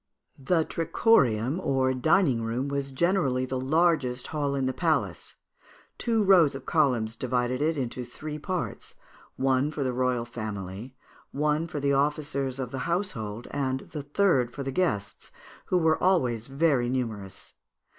The trichorium, or dining room, was generally the largest hall in the palace; two rows of columns divided it into three parts; one for the royal family, one for the officers of the household, and the third for the guests, who were always very numerous.